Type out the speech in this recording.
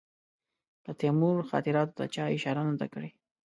د تیمور خاطراتو ته چا اشاره نه ده کړې.